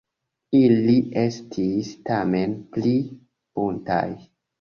Ili estis tamen pli buntaj.